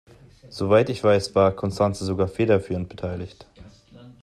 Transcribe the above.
Soweit ich weiß, war Constanze sogar federführend beteiligt.